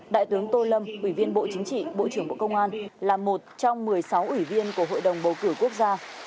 đại tướng tô lâm ủy viên bộ chính trị bộ trưởng bộ công an là một trong một mươi sáu ủy viên của hội đồng bầu cử quốc gia